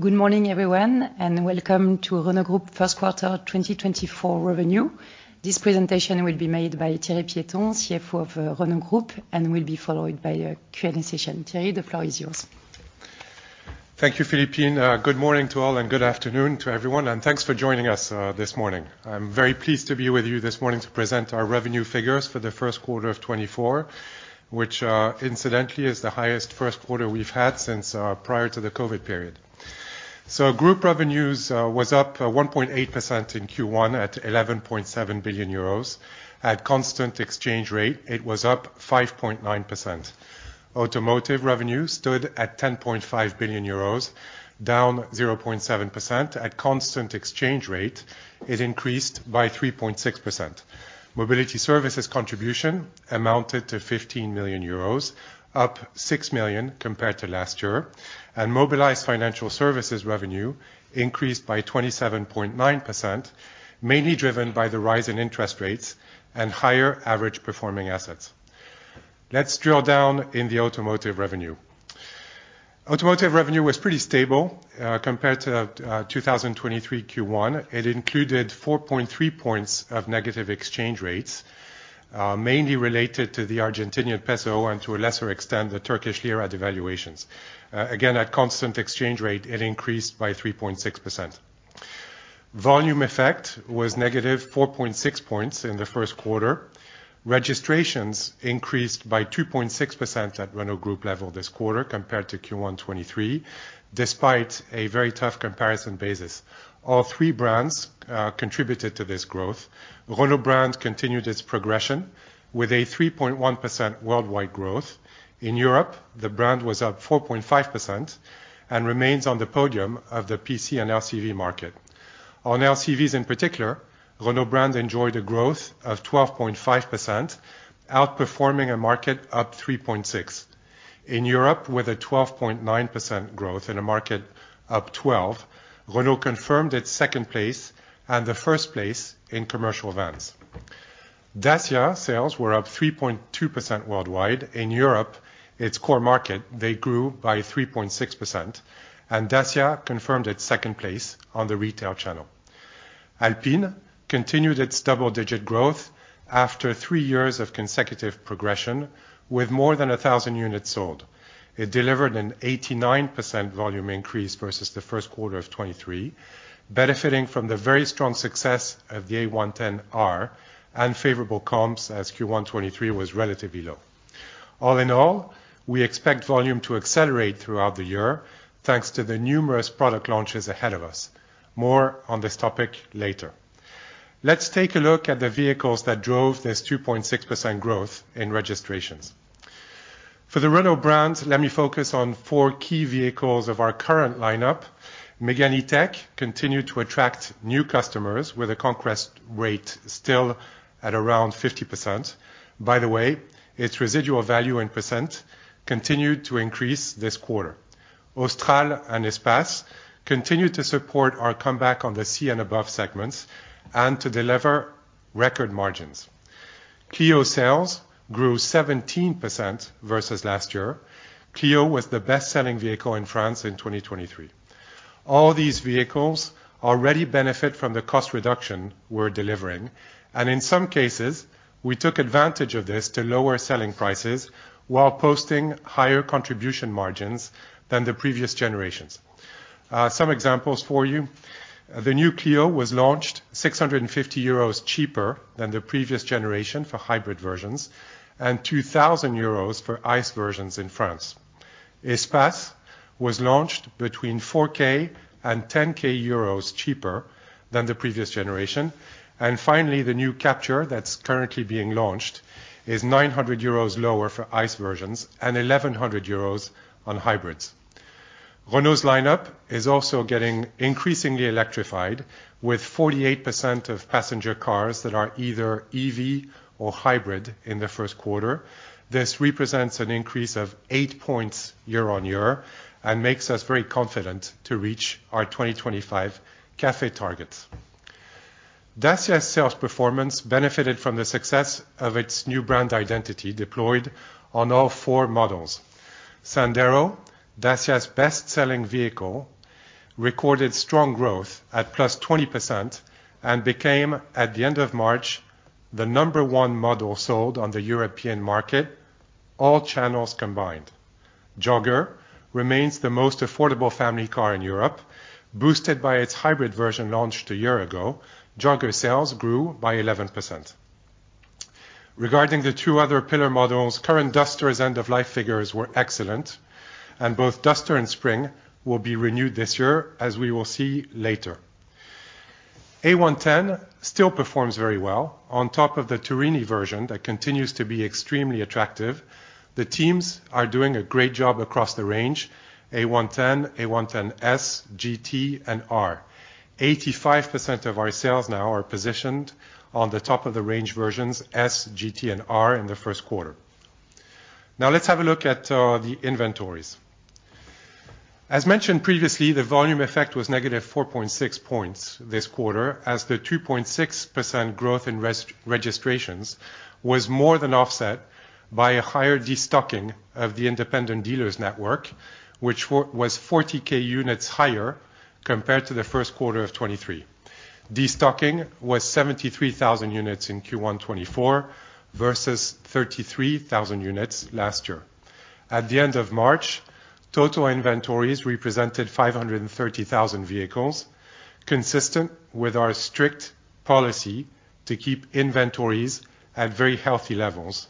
Good morning, everyone, and welcome to Renault Group first quarter 2024 revenue. This presentation will be made by Thierry Piéton, CFO of Renault Group, and will be followed by a Q&A session. Thierry, the floor is yours. Thank you, Philippine. Good morning to all, and good afternoon to everyone, and thanks for joining us this morning. I'm very pleased to be with you this morning to present our revenue figures for the first quarter of 2024, which incidentally is the highest first quarter we've had since prior to the COVID period. So group revenues was up 1.8% in Q1 at 11.7 billion euros. At constant exchange rate, it was up 5.9%. Automotive revenue stood at 10.5 billion euros, down 0.7%. At constant exchange rate, it increased by 3.6%. Mobility services contribution amounted to 15 million euros, up 6 million compared to last year, and Mobilize Financial Services revenue increased by 27.9%, mainly driven by the rise in interest rates and higher average performing assets. Let's drill down in the automotive revenue. Automotive revenue was pretty stable, compared to 2023 Q1. It included 4.3 points of negative exchange rates, mainly related to the Argentine peso and, to a lesser extent, the Turkish lira devaluations. Again, at constant exchange rate, it increased by 3.6%. Volume effect was negative 4.6 points in the first quarter. Registrations increased by 2.6% at Renault Group level this quarter compared to Q1 2023, despite a very tough comparison basis. All three brands contributed to this growth. Renault Brand continued its progression with a 3.1% worldwide growth. In Europe, the brand was up 4.5% and remains on the podium of the PC and LCV market. On LCVs in particular, Renault Brand enjoyed a growth of 12.5%, outperforming a market up 3.6%. In Europe, with a 12.9% growth in a market up 12%, Renault confirmed its second place and the first place in commercial vans. Dacia sales were up 3.2% worldwide. In Europe, its core market, they grew by 3.6%, and Dacia confirmed its second place on the retail channel. Alpine continued its double-digit growth after 3 years of consecutive progression with more than 1,000 units sold. It delivered an 89% volume increase versus the first quarter of 2023, benefiting from the very strong success of the A110 R and favorable comps as Q1 2023 was relatively low. All in all, we expect volume to accelerate throughout the year, thanks to the numerous product launches ahead of us. More on this topic later. Let's take a look at the vehicles that drove this 2.6% growth in registrations. For the Renault brand, let me focus on four key vehicles of our current lineup. Mégane E-Tech continued to attract new customers, with a conquest rate still at around 50%. By the way, its residual value in percent continued to increase this quarter. Austral and Espace continued to support our comeback on the C and above segments and to deliver record margins. Clio sales grew 17% versus last year. Clio was the best-selling vehicle in France in 2023. All these vehicles already benefit from the cost reduction we're delivering, and in some cases, we took advantage of this to lower selling prices while posting higher contribution margins than the previous generations. Some examples for you, the new Clio was launched 650 euros cheaper than the previous generation for hybrid versions and 2,000 euros for ICE versions in France. Espace was launched between 4,000 and 10,000 euros cheaper than the previous generation. And finally, the new Captur that's currently being launched is 900 euros lower for ICE versions and 1,100 euros on hybrids. Renault's lineup is also getting increasingly electrified, with 48% of passenger cars that are either EV or hybrid in the first quarter. This represents an increase of 8 points year-on-year and makes us very confident to reach our 2025 CAFE targets. Dacia sales performance benefited from the success of its new brand identity, deployed on all four models. Sandero, Dacia's best-selling vehicle, recorded strong growth at +20% and became, at the end of March, the number one model sold on the European market, all channels combined. Jogger remains the most affordable family car in Europe. Boosted by its hybrid version, launched a year ago, Jogger sales grew by 11%. Regarding the two other pillar models, current Duster's end of life figures were excellent, and both Duster and Spring will be renewed this year, as we will see later. A110 still performs very well on top of the Turini version that continues to be extremely attractive. The teams are doing a great job across the range, A110, A110 S, GT, and R. 85% of our sales now are positioned on the top-of-the-range versions S, GT, and R in the first quarter. Now, let's have a look at the inventories. As mentioned previously, the volume effect was negative 4.6 points this quarter, as the 2.6% growth in registrations was more than offset by a higher destocking of the independent dealers network, which was 40,000 units higher compared to the first quarter of 2023. Destocking was 73,000 units in Q1 2024, versus 33,000 units last year. At the end of March, total inventories represented 530,000 vehicles, consistent with our strict policy to keep inventories at very healthy levels.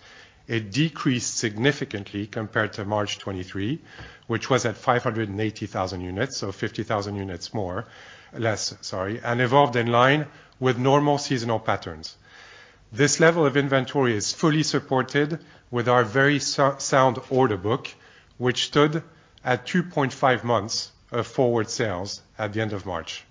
It decreased significantly compared to March 2023, which was at 580,000 units, so 50,000 units more, less, sorry, and evolved in line with normal seasonal patterns. This level of inventory is fully supported with our very solid order book, which stood at 2.5 months of forward sales at the end of March.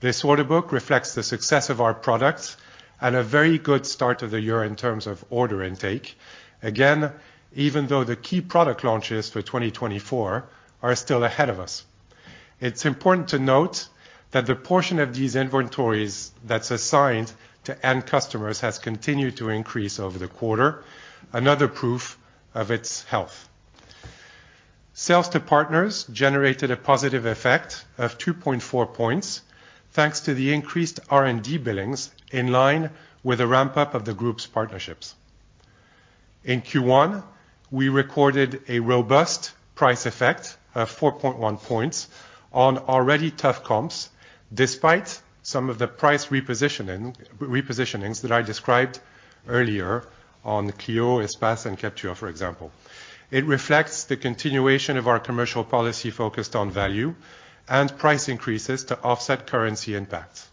This order book reflects the success of our products and a very good start of the year in terms of order intake. Again, even though the key product launches for 2024 are still ahead of us, it's important to note that the portion of these inventories that's assigned to end customers has continued to increase over the quarter, another proof of its health. Sales to partners generated a positive effect of 2.4 points, thanks to the increased R&D billings, in line with the ramp-up of the group's partnerships. In Q1, we recorded a robust price effect of 4.1 points on already tough comps, despite some of the price repositioning, repositionings that I described earlier on Clio, Espace, and Captur, for example. It reflects the continuation of our commercial policy focused on value and price increases to offset currency impacts.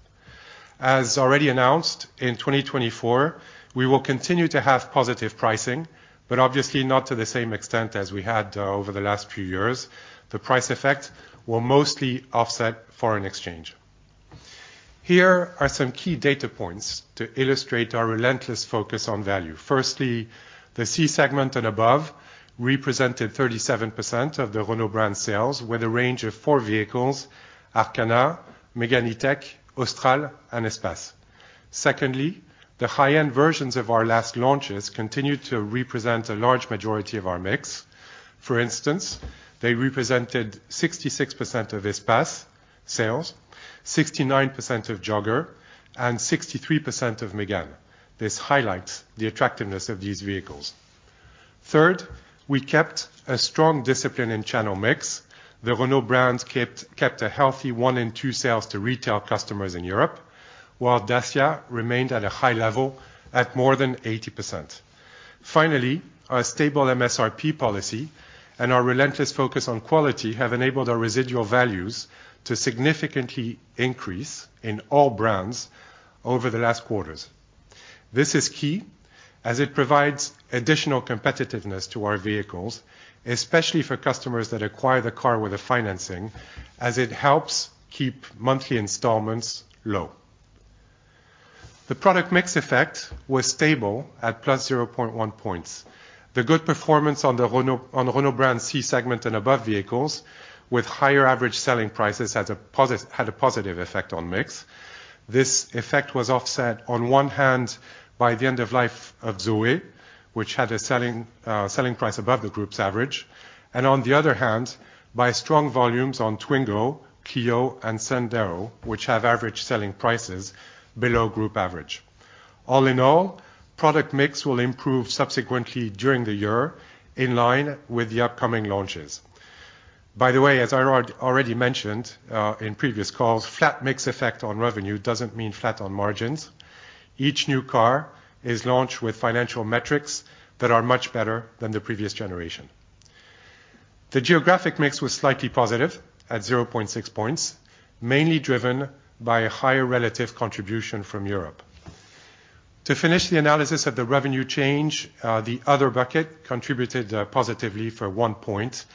As already announced, in 2024, we will continue to have positive pricing, but obviously not to the same extent as we had over the last few years. The price effect will mostly offset foreign exchange. Here are some key data points to illustrate our relentless focus on value. Firstly, the C-segment and above represented 37% of the Renault Brand sales, with a range of 4 vehicles: Arkana, Mégane E-Tech, Austral, and Espace. Secondly, the high-end versions of our last launches continued to represent a large majority of our mix. For instance, they represented 66% of Espace sales, 69% of Jogger, and 63% of Megane. This highlights the attractiveness of these vehicles. Third, we kept a strong discipline in channel mix. The Renault Brands kept a healthy one in two sales to retail customers in Europe, while Dacia remained at a high level at more than 80%. Finally, our stable MSRP policy and our relentless focus on quality have enabled our residual values to significantly increase in all brands over the last quarters. This is key as it provides additional competitiveness to our vehicles, especially for customers that acquire the car with the financing, as it helps keep monthly installments low. The product mix effect was stable at +0.1 points. The good performance on the Renault, on Renault Brand C-segment and above vehicles, with higher average selling prices, had a positive effect on mix. This effect was offset on one hand by the end of life of Zoe, which had a selling price above the group's average, and on the other hand, by strong volumes on Twingo, Clio, and Sandero, which have average selling prices below group average. All in all, product mix will improve subsequently during the year in line with the upcoming launches. By the way, as I already mentioned, in previous calls, flat mix effect on revenue doesn't mean flat on margins. Each new car is launched with financial metrics that are much better than the previous generation. The geographic mix was slightly positive at 0.6 points, mainly driven by a higher relative contribution from Europe. To finish the analysis of the revenue change, the other bucket contributed positively for 1 point,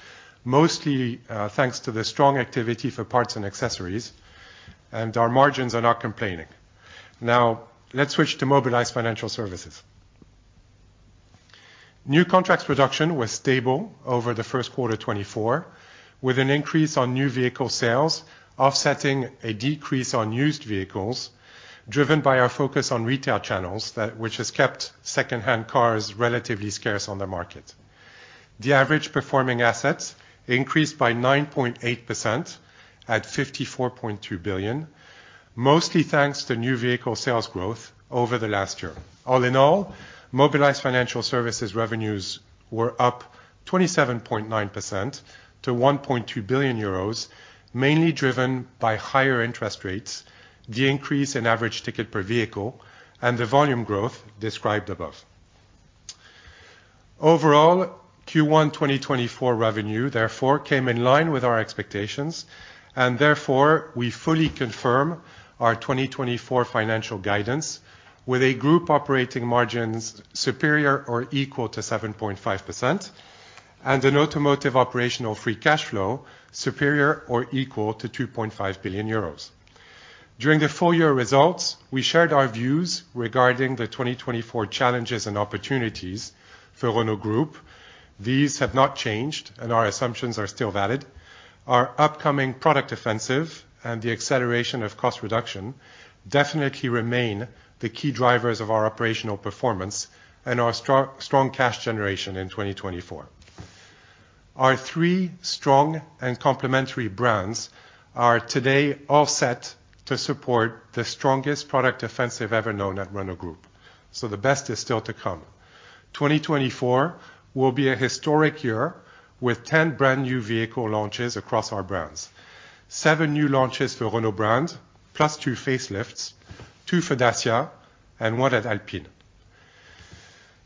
mostly thanks to the strong activity for parts and accessories, and our margins are not complaining. Now, let's switch to Mobilize Financial Services. New contracts production was stable over the first quarter 2024, with an increase on new vehicle sales, offsetting a decrease on used vehicles, driven by our focus on retail channels that which has kept secondhand cars relatively scarce on the market. The average performing assets increased by 9.8% at 54.2 billion, mostly thanks to new vehicle sales growth over the last year. All in all, Mobilize Financial Services revenues were up 27.9% to 1.2 billion euros, mainly driven by higher interest rates, the increase in average ticket per vehicle, and the volume growth described above. Overall, Q1 2024 revenue, therefore, came in line with our expectations, and therefore, we fully confirm our 2024 financial guidance, with a group operating margin superior or equal to 7.5%, and an automotive operational free cash flow superior or equal to 2.5 billion euros. During the full-year results, we shared our views regarding the 2024 challenges and opportunities for Renault Group. These have not changed, and our assumptions are still valid. Our upcoming product offensive and the acceleration of cost reduction definitely remain the key drivers of our operational performance and our strong cash generation in 2024. Our three strong and complementary brands are today all set to support the strongest product offensive ever known at Renault Group. So the best is still to come. 2024 will be a historic year, with 10 brand-new vehicle launches across our brands. Seven new launches for Renault Brand, plus two facelifts, two for Dacia, and one at Alpine.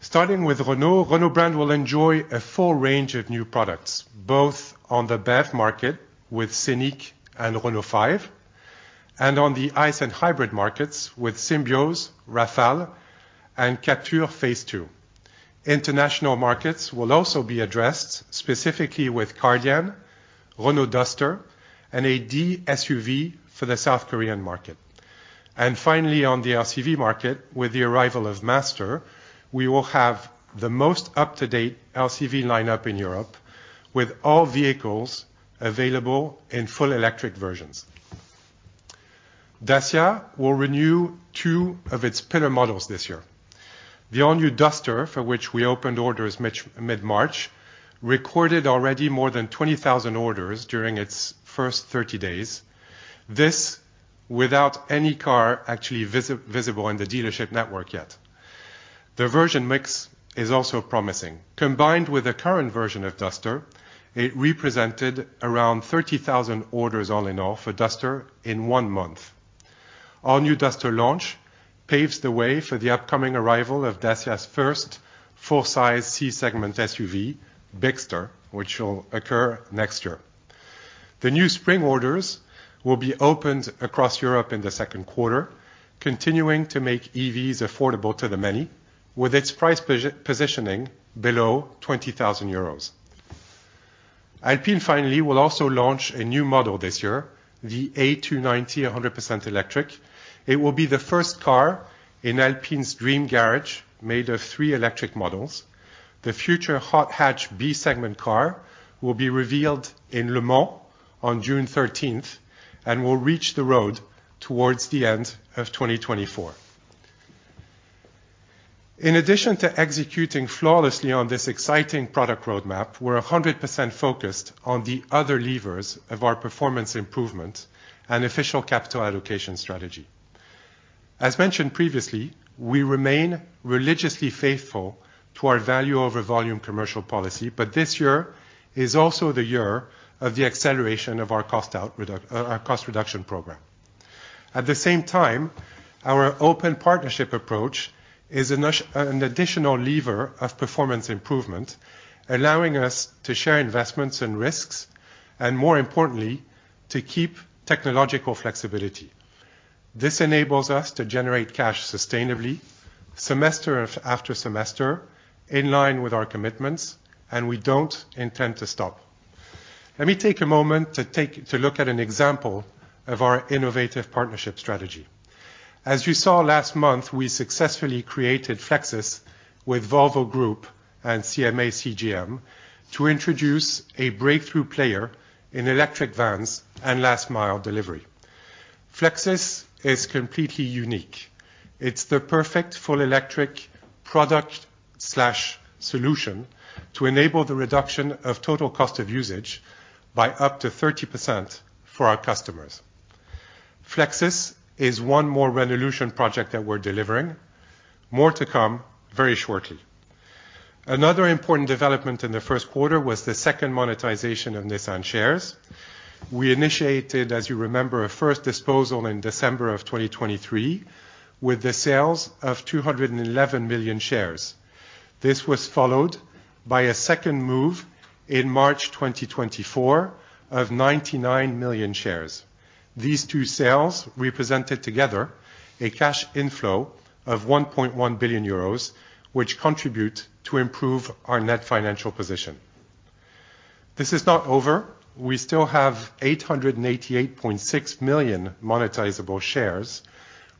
Starting with Renault, Renault Brand will enjoy a full range of new products, both on the BEV market, with Scenic and Renault 5, and on the ICE and hybrid markets, with Symbioz, Rafale, and Captur Phase Two. International markets will also be addressed, specifically with Kardian, Renault Duster, and a D-SUV for the South Korean market. And finally, on the LCV market, with the arrival of Master, we will have the most up-to-date LCV lineup in Europe, with all vehicles available in full electric versions. Dacia will renew two of its pillar models this year. The all-new Duster, for which we opened orders mid-March, recorded already more than 20,000 orders during its first 30 days. This without any car actually visible in the dealership network yet. The version mix is also promising. Combined with the current version of Duster, it represented around 30,000 orders all in all for Duster in one month. Our new Duster launch paves the way for the upcoming arrival of Dacia's first full-size C-segment SUV, Bigster, which will occur next year. The new Spring orders will be opened across Europe in the second quarter, continuing to make EVs affordable to the many, with its price positioning below 20,000 euros. Alpine, finally, will also launch a new model this year, the A290, 100% electric. It will be the first car in Alpine's dream garage, made of three electric models. The future Hot Hatch B-segment car will be revealed in Le Mans on June thirteenth, and will reach the road towards the end of 2024. In addition to executing flawlessly on this exciting product roadmap, we're 100% focused on the other levers of our performance improvement and official capital allocation strategy. As mentioned previously, we remain religiously faithful to our value-over-volume commercial policy, but this year is also the year of the acceleration of our cost reduction program. At the same time, our open partnership approach is an additional lever of performance improvement, allowing us to share investments and risks, and more importantly, to keep technological flexibility. This enables us to generate cash sustainably, semester after semester, in line with our commitments, and we don't intend to stop. Let me take a moment to look at an example of our innovative partnership strategy. As you saw last month, we successfully created Flexis with Volvo Group and CMA CGM, to introduce a breakthrough player in electric vans and last-mile delivery. Flexis is completely unique. It's the perfect full electric product/solution to enable the reduction of total cost of usage by up to 30% for our customers. Flexis is one more Renaulution project that we're delivering. More to come very shortly. Another important development in the first quarter was the second monetization of Nissan shares. We initiated, as you remember, a first disposal in December of 2023, with the sales of 211 million shares. This was followed by a second move in March 2024, of 99 million shares. These two sales represented together a cash inflow of 1.1 billion euros, which contribute to improve our net financial position. This is not over. We still have 888.6 million monetizable shares,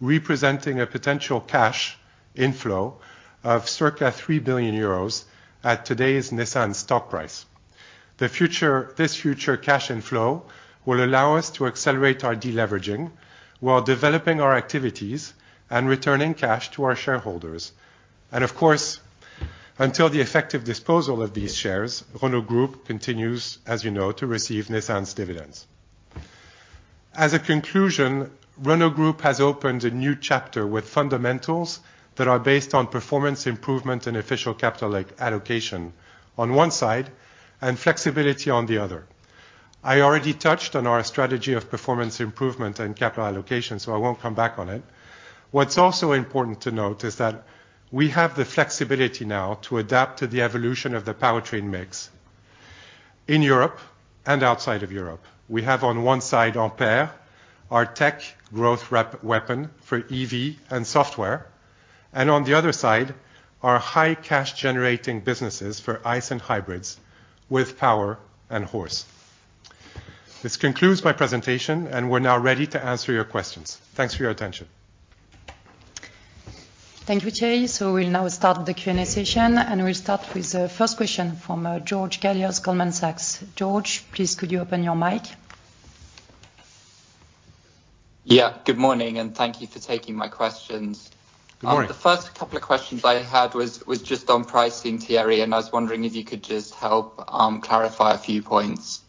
representing a potential cash inflow of circa 3 billion euros at today's Nissan stock price. The future, this future cash inflow will allow us to accelerate our deleveraging while developing our activities and returning cash to our shareholders. And of course, until the effective disposal of these shares, Renault Group continues, as you know, to receive Nissan's dividends. As a conclusion, Renault Group has opened a new chapter with fundamentals that are based on performance improvement and official capital, like, allocation on one side, and flexibility on the other. I already touched on our strategy of performance improvement and capital allocation, so I won't come back on it. What's also important to note, is that we have the flexibility now to adapt to the evolution of the powertrain mix in Europe and outside of Europe. We have, on one side, Ampere, our tech growth weapon for EV and software, and on the other side, our high cash-generating businesses for ICE and hybrids with Power and Horse. This concludes my presentation, and we're now ready to answer your questions. Thanks for your attention. Thank you, Thierry. We'll now start the Q&A session, and we'll start with the first question from George Galliers, Goldman Sachs. George, please, could you open your mic? Yeah, good morning, and thank you for taking my questions. Good morning. The first couple of questions I had was just on pricing, Thierry, and I was wondering if you could just help clarify a few points.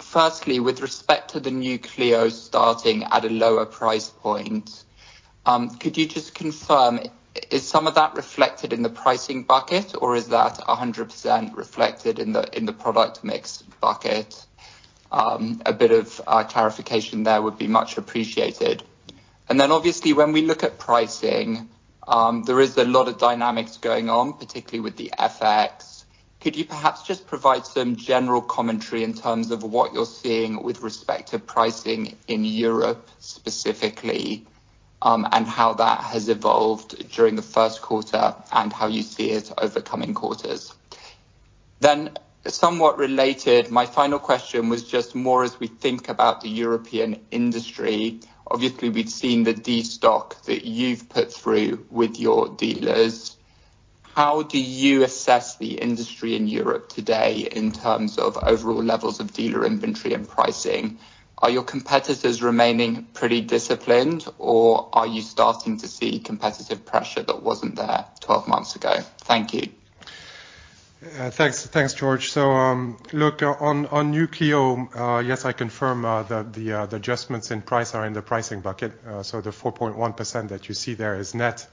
Firstly, with respect to the new Clio starting at a lower price point, could you just confirm, is some of that reflected in the pricing bucket, or is that 100% reflected in the product mix bucket? A bit of clarification there would be much appreciated. And then, obviously, when we look at pricing, there is a lot of dynamics going on, particularly with the FX. Could you perhaps just provide some general commentary in terms of what you're seeing with respect to pricing in Europe specifically, and how that has evolved during the first quarter, and how you see it over coming quarters? Then, somewhat related, my final question was just more as we think about the European industry. Obviously, we've seen the destock that you've put through with your dealers. How do you assess the industry in Europe today in terms of overall levels of dealer inventory and pricing? Are your competitors remaining pretty disciplined, or are you starting to see competitive pressure that wasn't there 12 months ago? Thank you. Thanks, thanks, George. So, look, on new Clio, yes, I confirm that the adjustments in price are in the pricing bucket. So the 4.1% that you see there is net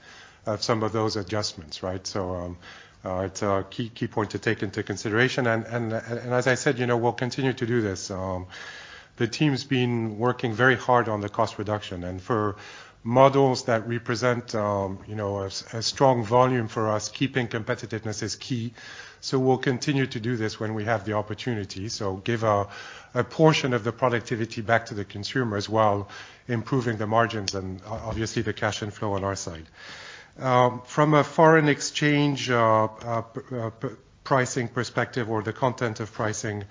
of some of those adjustments, right? So, it's a key, key point to take into consideration, and, and, and, as I said, you know, we'll continue to do this. The team's been working very hard on the cost reduction, and for models that represent, you know, a, a strong volume for us, keeping competitiveness is key, so we'll continue to do this when we have the opportunity. So give, a, a portion of the productivity back to the consumer while improving the margins and obviously, the cash and flow on our side. From a foreign exchange, pricing perspective or the content of pricing,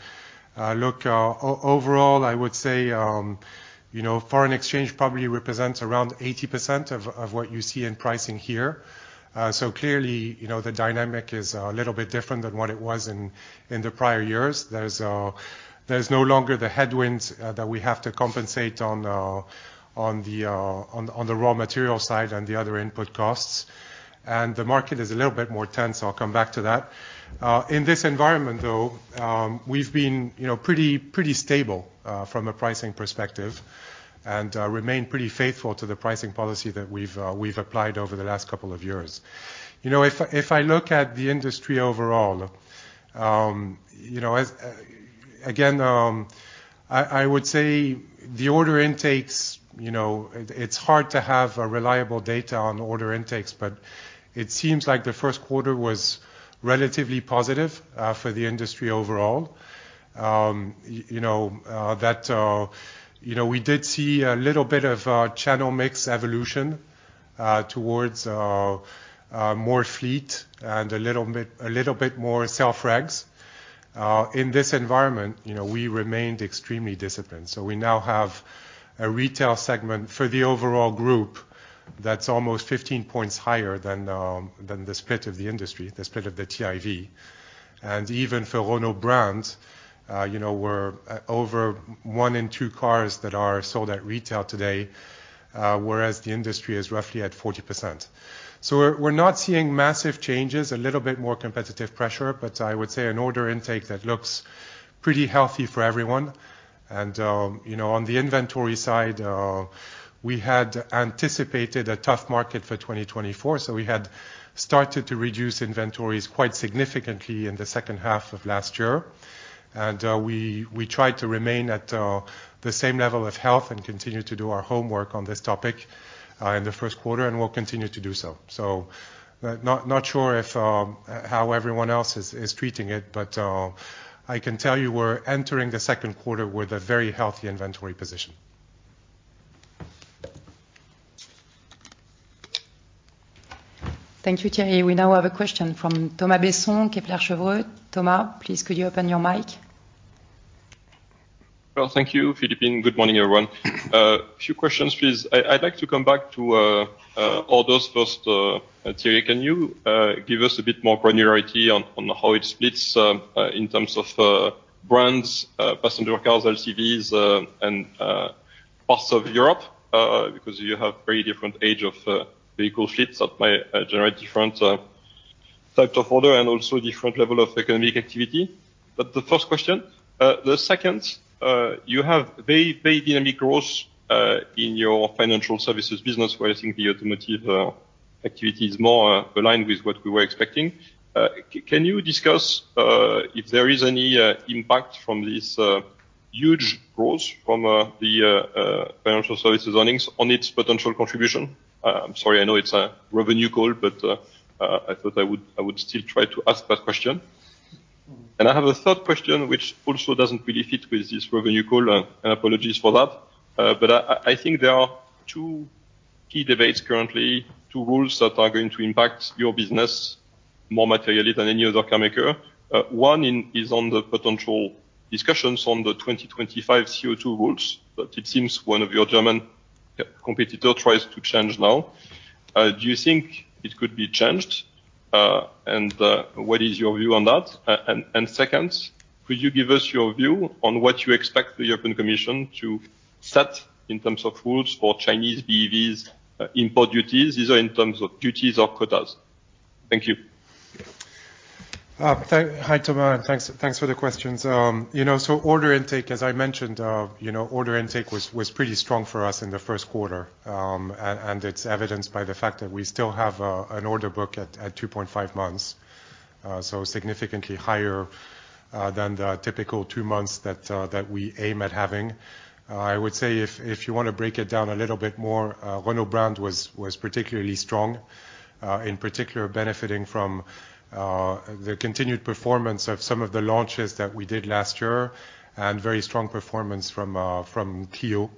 look, overall, I would say, you know, foreign exchange probably represents around 80% of what you see in pricing here. So clearly, you know, the dynamic is a little bit different than what it was in the prior years. There's no longer the headwinds that we have to compensate on the raw material side and the other input costs, and the market is a little bit more tense. I'll come back to that. In this environment, though, we've been, you know, pretty stable from a pricing perspective and remain pretty faithful to the pricing policy that we've applied over the last couple of years. You know, if I look at the industry overall, you know, as again, I would say the order intakes, you know, it's hard to have a reliable data on order intakes, but it seems like the first quarter was relatively positive for the industry overall. You know that you know we did see a little bit of channel mix evolution towards more fleet and a little bit more self-regs. In this environment, you know, we remained extremely disciplined, so we now have a retail segment for the overall group that's almost 15 points higher than the split of the industry, the split of the TIV. Even for Renault brands, you know, we're over one in two cars that are sold at retail today, whereas the industry is roughly at 40%. So we're not seeing massive changes, a little bit more competitive pressure, but I would say an order intake that looks pretty healthy for everyone. And, you know, on the inventory side, we had anticipated a tough market for 2024, so we had started to reduce inventories quite significantly in the second half of last year. And, we tried to remain at the same level of health and continue to do our homework on this topic in the first quarter, and we'll continue to do so. So, not sure if how everyone else is treating it, but I can tell you we're entering the second quarter with a very healthy inventory position. Thank you, Thierry. We now have a question from Thomas Besson, Kepler Cheuvreux. Thomas, please, could you open your mic? Well, thank you, Philippine. Good morning, everyone. A few questions, please. I'd like to come back to orders first, Thierry. Can you give us a bit more granularity on how it splits in terms of brands, passenger cars, LCVs, and parts of Europe? Because you have very different age of vehicle fleets that may generate different types of order and also different level of economic activity. But the first question, the second, you have very, very dynamic growth in your financial services business, where I think the automotive activity is more aligned with what we were expecting. Can you discuss if there is any impact from this huge growth from the financial services earnings on its potential contribution? I'm sorry, I know it's a revenue call, but I thought I would still try to ask that question. I have a third question, which also doesn't really fit with this revenue call, and apologies for that. But I think there are two key debates currently, two rules that are going to impact your business more materially than any other car maker. One is on the potential discussions on the 2025 CO2 rules, but it seems one of your German competitor tries to change now. Do you think it could be changed? And what is your view on that? And second, could you give us your view on what you expect the European Commission to set in terms of rules for Chinese BEVs import duties, either in terms of duties or quotas? Thank you. Hi, Thomas, thanks, thanks for the questions. You know, order intake, as I mentioned, you know, order intake was pretty strong for us in the first quarter. And it's evidenced by the fact that we still have an order book at two point five months. So significantly higher than the typical two months that we aim at having. I would say if you want to break it down a little bit more, Renault Brand was particularly strong, in particular benefiting from the continued performance of some of the launches that we did last year, and very strong performance from Clio.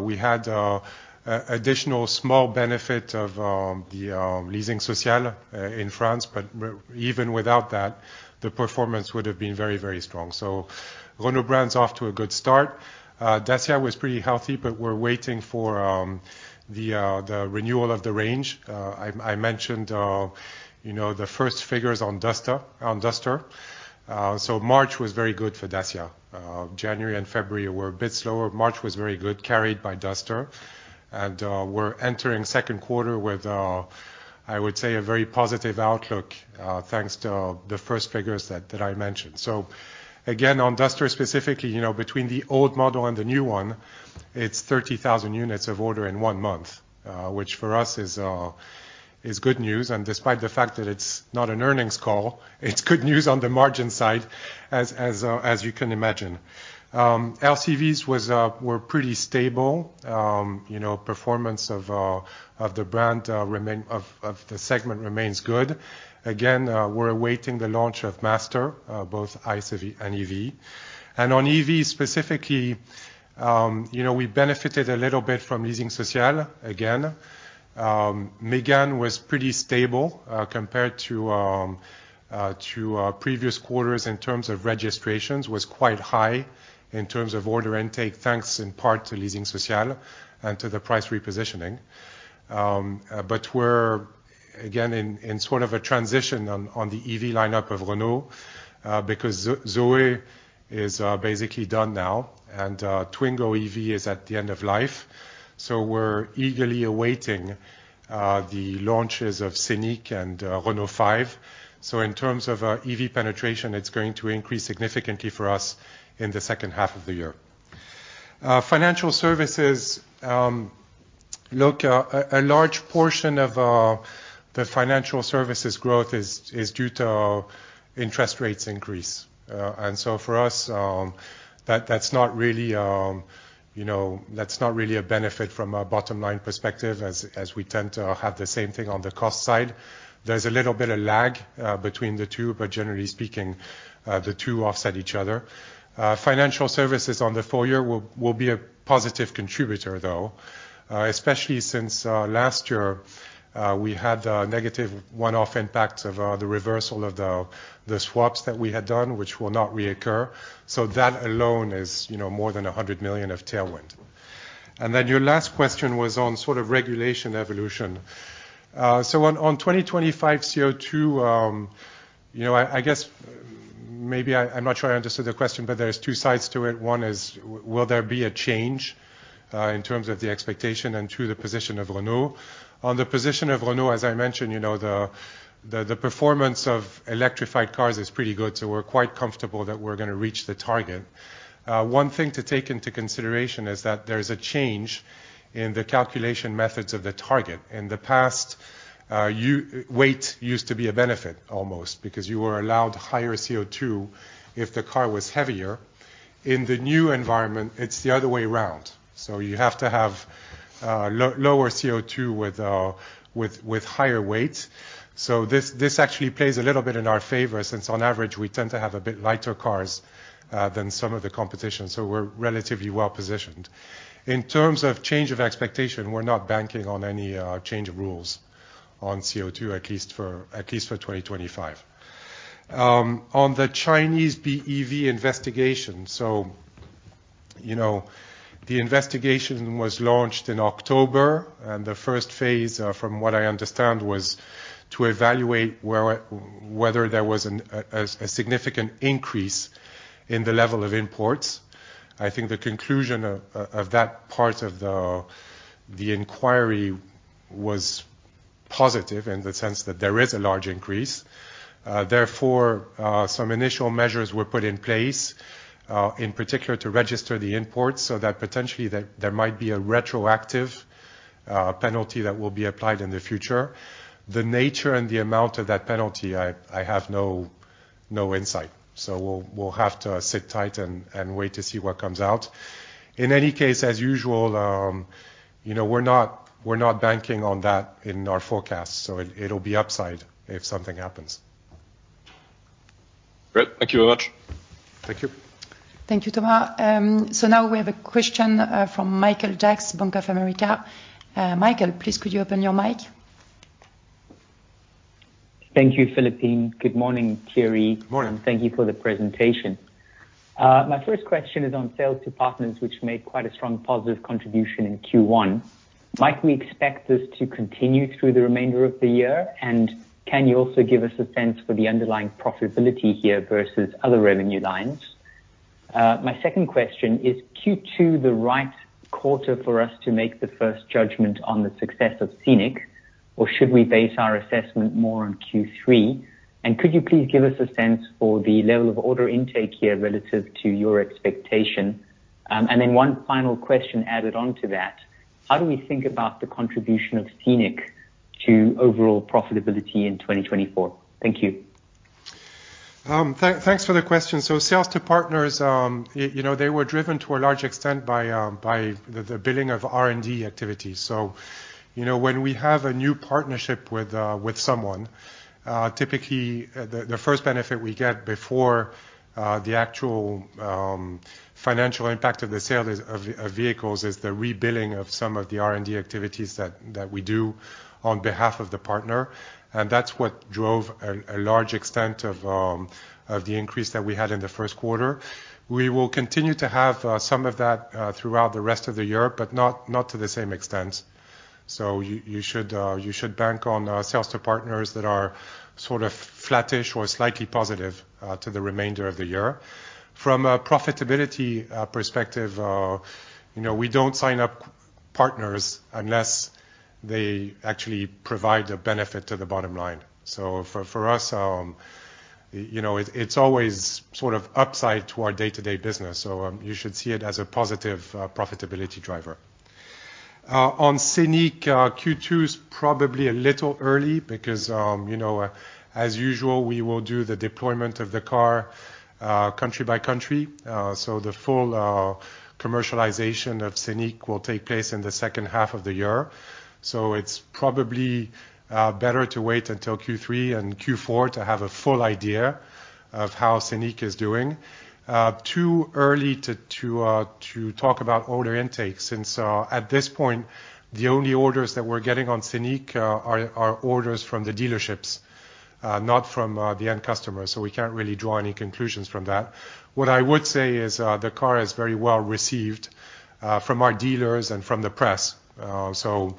We had additional small benefit of the Leasing Social in France, but even without that, the performance would have been very, very strong. So Renault brand's off to a good start. Dacia was pretty healthy, but we're waiting for the renewal of the range. I mentioned, you know, the first figures on Duster, on Duster. So March was very good for Dacia. January and February were a bit slower. March was very good, carried by Duster. And we're entering second quarter with, I would say, a very positive outlook, thanks to the first figures that, that I mentioned. So again, on Duster specifically, you know, between the old model and the new one, it's 30,000 units of order in one month, which for us is good news. Despite the fact that it's not an earnings call, it's good news on the margin side, as you can imagine. LCVs were pretty stable. You know, performance of the segment remains good. Again, we're awaiting the launch of Master, both ICE and EV. And on EV, specifically, you know, we benefited a little bit from Leasing Social, again. Mégane was pretty stable, compared to previous quarters in terms of registrations, was quite high in terms of order intake, thanks in part to Leasing Social and to the price repositioning. But we're again in sort of a transition on the EV lineup of Renault because Zoe is basically done now, and Twingo EV is at the end of life. So we're eagerly awaiting the launches of Scenic and Renault 5. So in terms of EV penetration, it's going to increase significantly for us in the second half of the year. Financial services, look, a large portion of the financial services growth is due to interest rates increase. And so for us, that, that's not really, you know, that's not really a benefit from a bottom-line perspective, as we tend to have the same thing on the cost side. There's a little bit of lag between the two, but generally speaking, the two offset each other. Financial services on the full-year will be a positive contributor, though. Especially since last year, we had a negative one-off impact of the reversal of the swaps that we had done, which will not reoccur. So that alone is, you know, more than 100 million of tailwind. And then your last question was on sort of regulation evolution. So on 2025 CO2, you know, I guess maybe I, I'm not sure I understood the question, but there's two sides to it. One is, will there be a change in terms of the expectation and two, the position of Renault? On the position of Renault, as I mentioned, you know, the performance of electrified cars is pretty good, so we're quite comfortable that we're going to reach the target. One thing to take into consideration is that there's a change in the calculation methods of the target. In the past, weight used to be a benefit, almost, because you were allowed higher CO2 if the car was heavier. In the new environment, it's the other way around, so you have to have lower CO2 with higher weight. So this actually plays a little bit in our favor, since on average we tend to have a bit lighter cars than some of the competition, so we're relatively well positioned. In terms of change of expectation, we're not banking on any change of rules on CO2, at least for 2025. On the Chinese BEV investigation, so, you know, the investigation was launched in October, and the first phase, from what I understand, was to evaluate whether there was a significant increase in the level of imports. I think the conclusion of that part of the inquiry was positive in the sense that there is a large increase. Therefore, some initial measures were put in place, in particular, to register the imports, so that potentially there might be a retroactive penalty that will be applied in the future. The nature and the amount of that penalty, I have no insight, so we'll have to sit tight and wait to see what comes out. In any case, as usual, you know, we're not, we're not banking on that in our forecast, so it, it'll be upside if something happens. Great. Thank you very much. Thank you. Thank you, Thomas. So now we have a question from Michael Jacks, Bank of America. Michael, please, could you open your mic? Thank you, Philippine. Good morning, Thierry. Good morning. Thank you for the presentation. My first question is on sales to partners, which made quite a strong positive contribution in Q1. Might we expect this to continue through the remainder of the year? And can you also give us a sense for the underlying profitability here, versus other revenue lines? My second question, is Q2 the right quarter for us to make the first judgment on the success of Scenic, or should we base our assessment more on Q3? And could you please give us a sense for the level of order intake here relative to your expectation? And then one final question added on to that: How do we think about the contribution of Scenic to overall profitability in 2024? Thank you. Thanks for the questions. So sales to partners, you know, they were driven to a large extent by the billing of R&D activities. So, you know, when we have a new partnership with someone, typically, the first benefit we get before the actual financial impact of the sale of vehicles is the rebilling of some of the R&D activities that we do on behalf of the partner. And that's what drove a large extent of the increase that we had in the first quarter. We will continue to have some of that throughout the rest of the year, but not to the same extent. So you should bank on sales to partners that are sort of flattish or slightly positive to the remainder of the year. From a profitability perspective, you know, we don't sign up partners unless they actually provide a benefit to the bottom line. So for us, you know, it's always sort of upside to our day-to-day business, so you should see it as a positive profitability driver. On Scenic, Q2 is probably a little early because, you know, as usual, we will do the deployment of the car country by country. So the full commercialization of Scenic will take place in the second half of the year. So it's probably better to wait until Q3 and Q4 to have a full idea of how Scenic is doing. Too early to talk about order intakes, since at this point, the only orders that we're getting on Scenic are orders from the dealerships, not from the end customer, so we can't really draw any conclusions from that. What I would say is, the car is very well received from our dealers and from the press. So,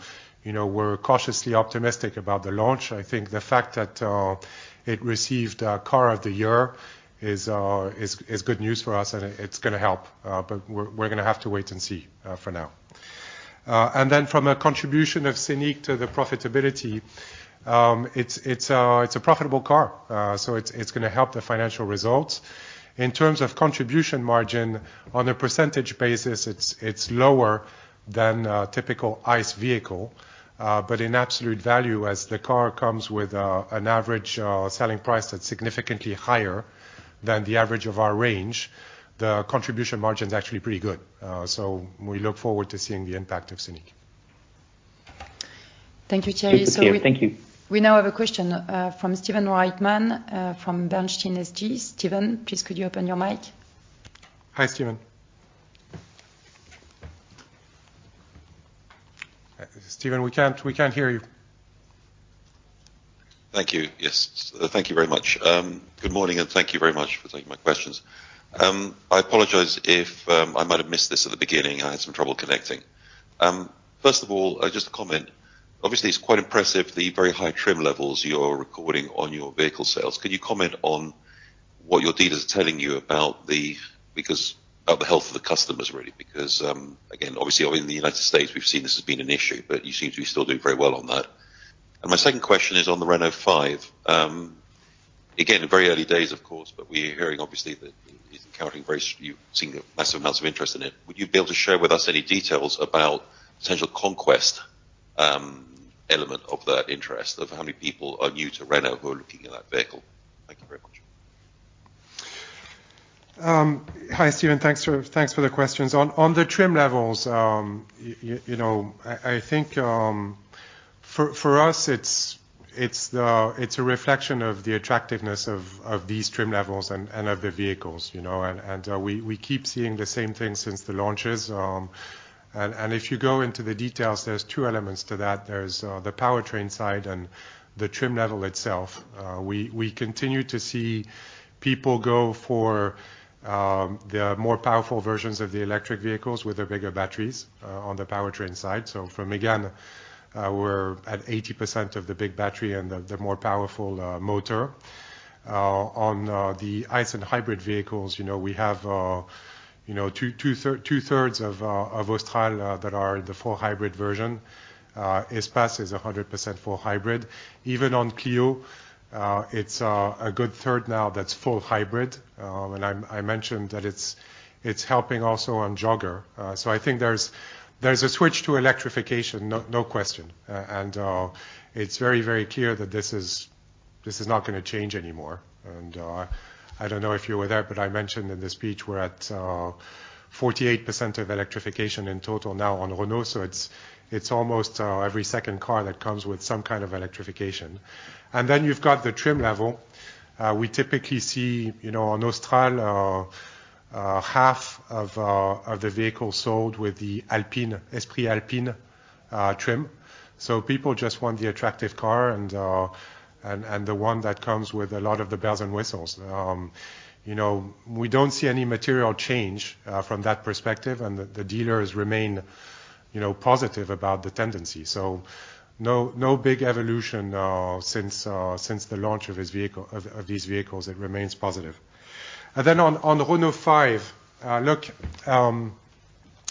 you know, we're cautiously optimistic about the launch. I think the fact that it received Car of the Year is good news for us, and it's gonna help, but we're gonna have to wait and see for now. And then from a contribution of Scenic to the profitability, it's a profitable car, so it's gonna help the financial results. In terms of contribution margin, on a percentage basis, it's lower than a typical ICE vehicle, but in absolute value, as the car comes with an average selling price that's significantly higher than the average of our range, the contribution margin is actually pretty good. So we look forward to seeing the impact of Scenic. Thank you, Thierry. Thank you. So we Thank you. We now have a question from Stephen Reitman from Bernstein SG. Stephen, please, could you open your mic? Hi, Stephen. Stephen, we can't, we can't hear you. Thank you. Yes, thank you very much. Good morning, and thank you very much for taking my questions. I apologize if I might have missed this at the beginning. I had some trouble connecting. First of all, just a comment. Obviously, it's quite impressive, the very high trim levels you're recording on your vehicle sales. Could you comment on what your dealers are telling you about the health of the customers, really, because, again, obviously, in the United States, we've seen this has been an issue, but you seem to be still doing very well on that. And my second question is on the Renault 5. Again, very early days, of course, but we're hearing, obviously, that it's encountering very, you've seen massive amounts of interest in it. Would you be able to share with us any details about potential conquest, element of that interest, of how many people are new to Renault who are looking at that vehicle? Thank you very much. Hi, Stephen. Thanks for, thanks for the questions. On the trim levels, you know, I think for us, it's a reflection of the attractiveness of these trim levels and of the vehicles, you know. And we keep seeing the same thing since the launches. And if you go into the details, there's two elements to that. There's the powertrain side and the trim level itself. We continue to see people go for the more powerful versions of the electric vehicles with the bigger batteries on the powertrain side. So for Mégane, we're at 80% of the big battery and the more powerful motor. On the ICE and hybrid vehicles, you know, we have two-thirds of Austral that are the full hybrid version. Espace is 100% full hybrid. Even on Clio, it's a good third now that's full hybrid, and I mentioned that it's helping also on Jogger. So I think there's a switch to electrification, no question. And it's very clear that this is not gonna change anymore. And I don't know if you were there, but I mentioned in the speech we're at 48% of electrification in total now on Renault, so it's almost every second car that comes with some kind of electrification. And then you've got the trim level. We typically see, you know, on Austral, half of the vehicles sold with the Alpine, Esprit Alpine trim. So people just want the attractive car and the one that comes with a lot of the bells and whistles. You know, we don't see any material change from that perspective, and the dealers remain, you know, positive about the tendency, so no big evolution since the launch of this vehicle, of these vehicles; it remains positive. And then on the Renault 5, look,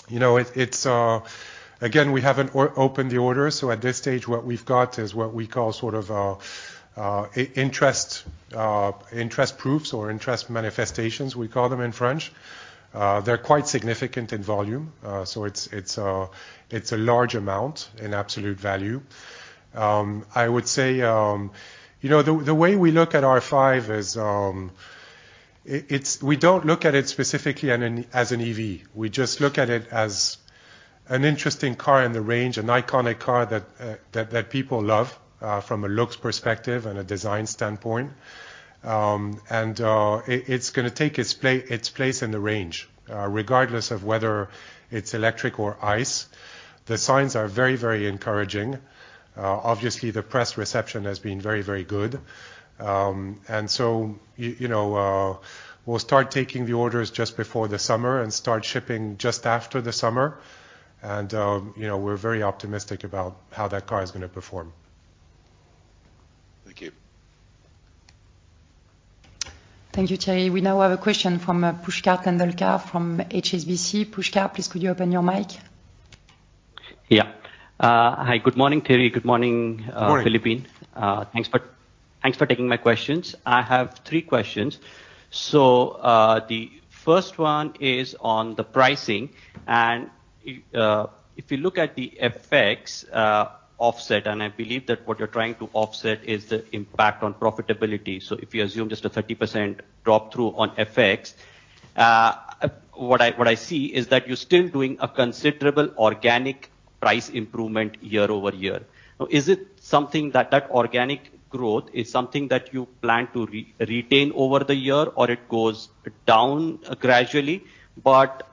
you know, it's again, we haven't opened the order, so at this stage, what we've got is what we call sort of interest proofs or interest manifestations; we call them in French. They're quite significant in volume, so it's a large amount in absolute value. I would say, you know, the way we look at R5 is, it's, we don't look at it specifically as an EV, we just look at it as an interesting car in the range, an iconic car that people love from a looks perspective and a design standpoint. It's gonna take its place in the range, regardless of whether it's electric or ICE. The signs are very, very encouraging. Obviously, the press reception has been very, very good. And so you know, we'll start taking the orders just before the summer and start shipping just after the summer. You know, we're very optimistic about how that car is gonna perform. Thank you. Thank you, Thierry. We now have a question from Pushkar Tendolkar from HSBC. Pushkar, please, could you open your mic? Yeah. Hi, good morning, Thierry. Good morning, Good morning. Philippe. Thanks for taking my questions. I have three questions. So, the first one is on the pricing, and if you look at the FX offset, and I believe that what you're trying to offset is the impact on profitability. So if you assume just a 30% drop-through on FX, what I see is that you're still doing a considerable organic price improvement year-over-year. Now, is it something that organic growth is something that you plan to retain over the year, or it goes down gradually, but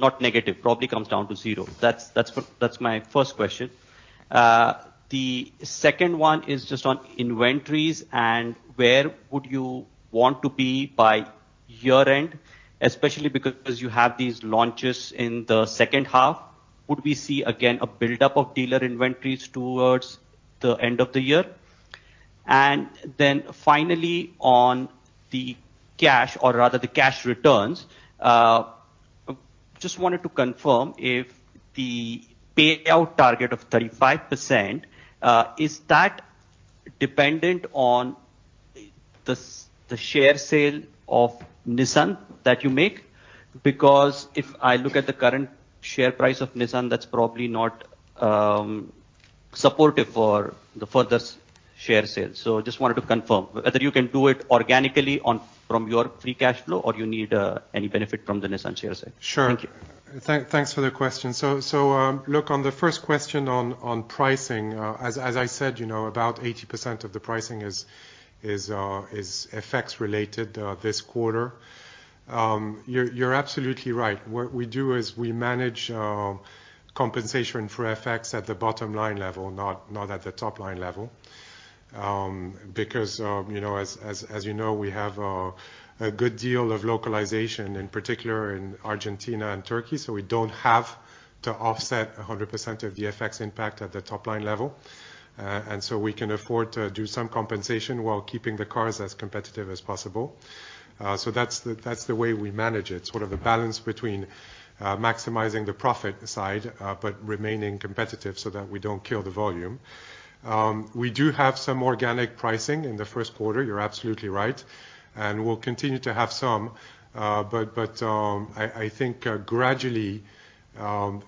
not negative, probably comes down to zero? That's my first question. The second one is just on inventories, and where would you want to be by year-end, especially because you have these launches in the second half. Would we see, again, a buildup of dealer inventories towards the end of the year? And then finally, on the cash, or rather the cash returns, just wanted to confirm if the payout target of 35%, is that dependent on the share sale of Nissan that you make? Because if I look at the current share price of Nissan, that's probably not supportive for the furthest share sale. So just wanted to confirm whether you can do it organically from your free cash flow, or you need any benefit from the Nissan share sale. Sure. Thank you. Thanks for the question. So, look, on the first question on pricing, as I said, you know, about 80% of the pricing is FX related, this quarter. You're absolutely right. What we do is we manage compensation for FX at the bottom line level, not at the top line level. Because, you know, as you know, we have a good deal of localization, in particular in Argentina and Turkey, so we don't have to offset 100% of the FX impact at the top line level. And so we can afford to do some compensation while keeping the cars as competitive as possible. So that's the way we manage it, sort of a balance between maximizing the profit side, but remaining competitive so that we don't kill the volume. We do have some organic pricing in the first quarter, you're absolutely right, and we'll continue to have some. But I think gradually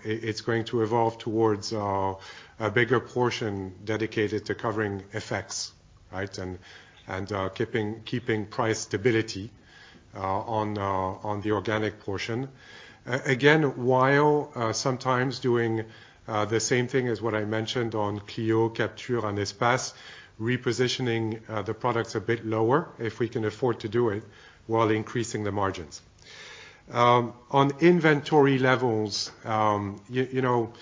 it's going to evolve towards a bigger portion dedicated to covering FX, right? And keeping price stability on the organic portion. Again, while sometimes doing the same thing as what I mentioned on Clio, Captur, and Espace, repositioning the products a bit lower, if we can afford to do it, while increasing the margins. On inventory levels, you know,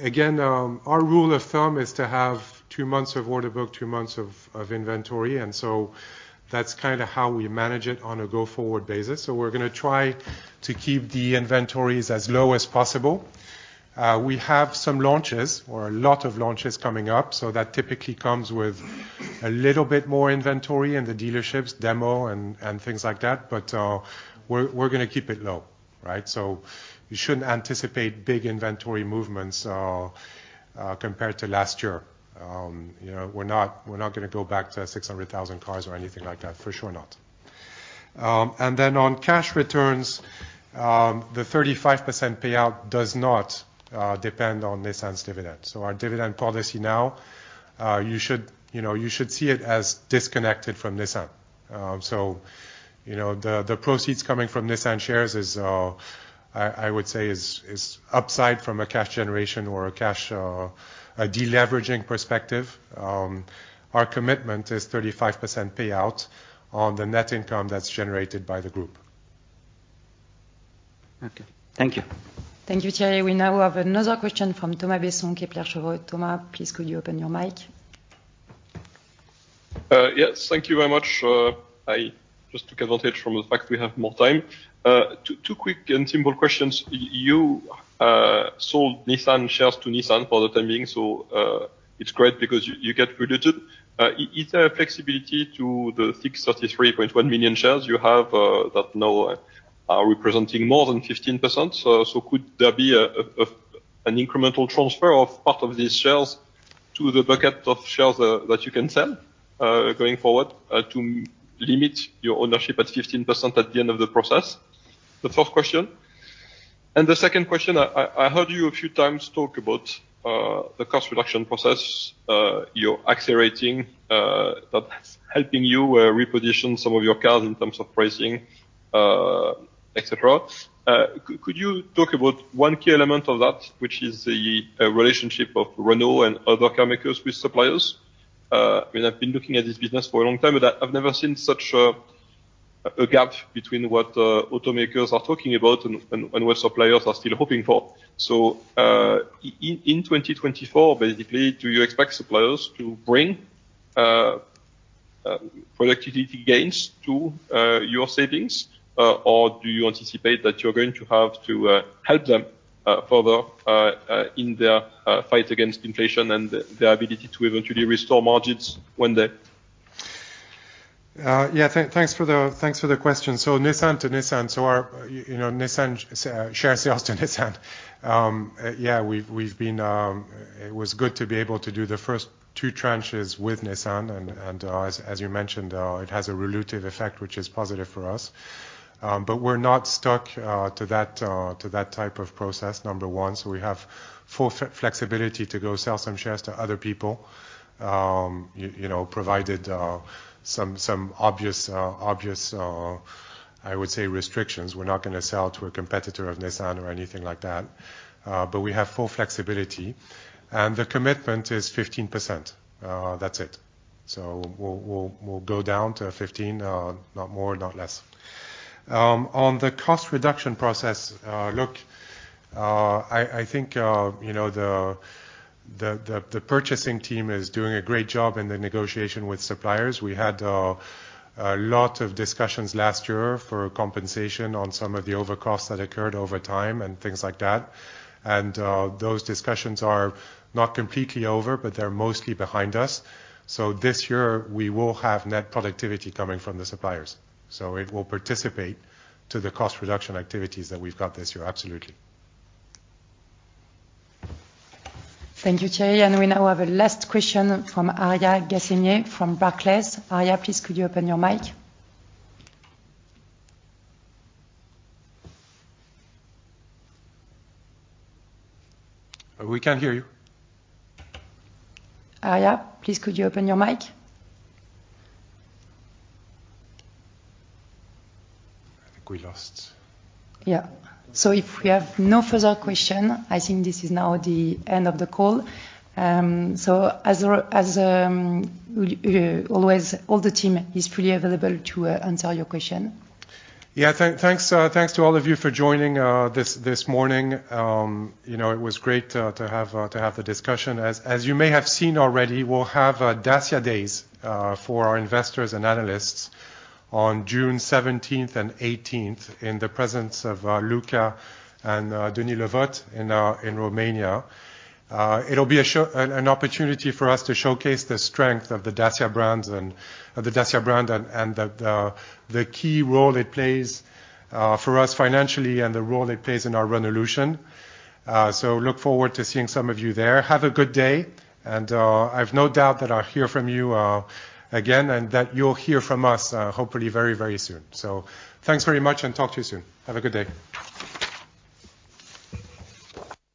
again, our rule of thumb is to have two months of order book, two months of inventory, and so that's kind of how we manage it on a go-forward basis. So we're gonna try to keep the inventories as low as possible. We have some launches, or a lot of launches coming up, so that typically comes with a little bit more inventory in the dealerships, demo and things like that. But, we're gonna keep it low, right? So you shouldn't anticipate big inventory movements compared to last year. You know, we're not gonna go back to 600,000 cars or anything like that, for sure not. And then on cash returns, the 35% payout does not depend on Nissan's dividend. So our dividend policy now, you know, you should see it as disconnected from Nissan. So, you know, the proceeds coming from Nissan shares is, I would say, upside from a cash generation or a cash deleveraging perspective. Our commitment is 35% payout on the net income that's generated by the group. Okay. Thank you. Thank you, Thierry. We now have another question from Thomas Besson, Kepler Cheuvreux. Thomas, please, could you open your mic? Yes, thank you very much. I just took advantage from the fact we have more time. Two quick and simple questions. You sold Nissan shares to Nissan for the time being, so it's great because you get diluted. Is there a flexibility to the 633.1 million shares you have that now are representing more than 15%? So could there be an incremental transfer of part of these shares to the bucket of shares that you can sell going forward to limit your ownership at 15% at the end of the process? The first question. The second question, I heard you a few times talk about the cost reduction process you're accelerating, that's helping you reposition some of your cars in terms of pricing, et cetera. Could you talk about one key element of that, which is the relationship of Renault and other car makers with suppliers? I mean, I've been looking at this business for a long time, but I've never seen such a gap between what automakers are talking about and what suppliers are still hoping for. So, in 2024, basically, do you expect suppliers to bring productivity gains to your savings? Or do you anticipate that you're going to have to help them further in their fight against inflation and the ability to eventually restore margins one day? Yeah, thanks for the question. So Nissan to Nissan, so our, you know, Nissan share sales to Nissan. It was good to be able to do the first two tranches with Nissan, and as you mentioned, it has a relutive effect, which is positive for us. But we're not stuck to that type of process, number one. So we have full flexibility to go sell some shares to other people, you know, provided some obvious, I would say, restrictions. We're not going to sell to a competitor of Nissan or anything like that, but we have full flexibility. And the commitment is 15%. That's it. So we'll go down to 15%, not more, not less. On the cost reduction process, look, I think, you know, the purchasing team is doing a great job in the negotiation with suppliers. We had a lot of discussions last year for compensation on some of the overcosts that occurred over time and things like that. And those discussions are not completely over, but they're mostly behind us. So this year, we will have net productivity coming from the suppliers, so it will participate to the cost reduction activities that we've got this year. Absolutely. Thank you, Thierry. And we now have a last question from Aria Gasnier from Barclays. Aria, please, could you open your mic? We can't hear you. Aria, please, could you open your mic? I think we lost Yeah. So if we have no further question, I think this is now the end of the call. So as always, all the team is pretty available to answer your question. Yeah. Thanks to all of you for joining this morning. You know, it was great to have the discussion. As you may have seen already, we'll have Dacia Days for our investors and analysts on June seventeenth and eighteenth, in the presence of Luca and Denis Le Vot in Romania. It'll be an opportunity for us to showcase the strength of the Dacia brands and of the Dacia brand, and the key role it plays for us financially, and the role it plays in our Renaulution. So look forward to seeing some of you there. Have a good day, and I've no doubt that I'll hear from you again, and that you'll hear from us, hopefully very, very soon. Thanks very much, and talk to you soon. Have a good day.